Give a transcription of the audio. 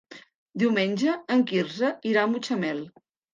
Diumenge en Quirze irà a Mutxamel.